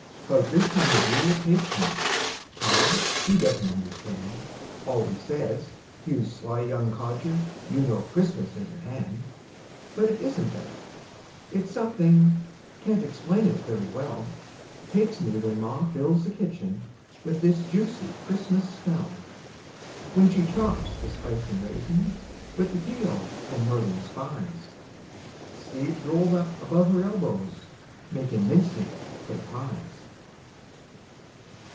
'Bout this time of year it takes me Pa, he doesn't understand, Always says: "You sly young codger, You know Christmas is at hand." But it isn't that, it's something Can't explain it very well Takes me when ma fills the kitchen With this juicy Christmas smell. When she chops the spice an' raisins, With the peels an' Northern Spies, Sleeves rolled up above her elbows, Makin' mincemeat for the pies.